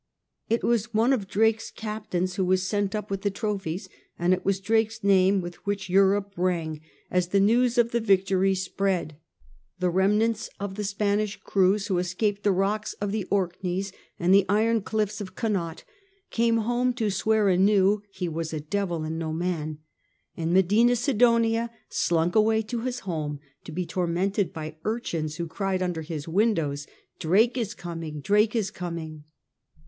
It was one of Drake's captains who was sent up with the trophies, and it was Drake's name with which Europe rang as the news of the victory spread. The remnants of the Spanish crews who escaped the rocks of the Orkneys and the iron cliffs of Connaught, came home to swear anew he was a devil and no man; and Medina Sidonia slunk away to his home, to be tormented by urchins who cried under his windows, "Drake is coming, Drake is coming."